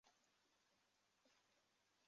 巴西构成。